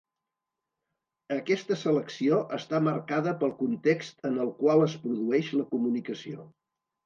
Aquesta selecció està marcada pel context en el qual es produeix la comunicació.